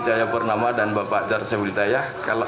terima kasih banyak